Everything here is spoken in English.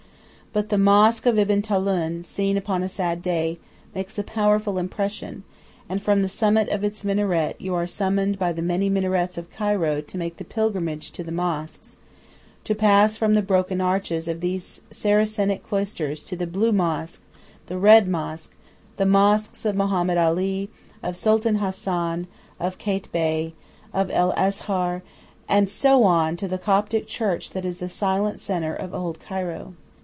But the mosque of Ibn Tulun, seen upon a sad day, makes a powerful impression, and from the summit of its minaret you are summoned by the many minarets of Cairo to make the pilgrimage of the mosques, to pass from the "broken arches" of these Saracenic cloisters to the "Blue Mosque," the "Red Mosque," the mosques of Mohammed Ali, of Sultan Hassan, of Kait Bey, of El Azhar, and so on to the Coptic church that is the silent centre of "old Cairo."